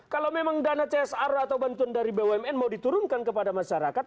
kalau memang dana csr atau bantuan dari bumn mau diturunkan kepada masyarakat